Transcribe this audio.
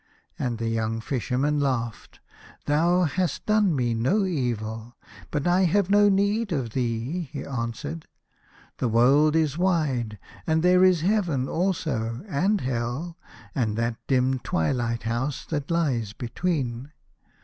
" And the young Fisherman laughed. " Thou hast done me no evil, but I have no need of thee," he answered. " The world is wide, and there is Heaven also, and Hell, and that dim twilight house that lies between.